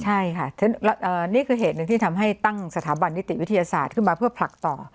ใช่ค่ะนี่คือเหตุหนึ่งที่ทำให้ตั้งสถาบันนิติวิทยาศาสตร์ขึ้นมาเพื่อผลักต่อ